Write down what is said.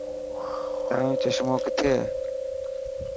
تايون چشمون ڪٿي هي.